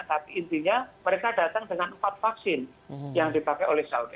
tapi intinya mereka datang dengan empat vaksin yang dipakai oleh saudi